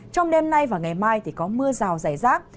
trong đêm nay và ngày mai thì có mưa rào rải rác